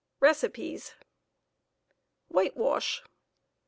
. RECIPES. WHITEWASH.